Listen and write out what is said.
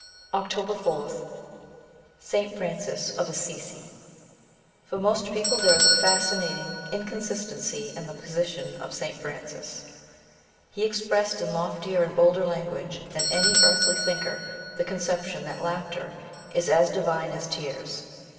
309 OCTOBER 4th ST. FRANCIS OF ASSISI FOR most people there is a fascinating incon sistency in the position of St. Francis. He expressed in loftier and bolder language than any earthly thinker the conception that laughter is as divine as tears.